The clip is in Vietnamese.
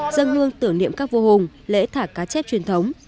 dân hương tưởng niệm các vô hùng lễ thả cá chép truyền thống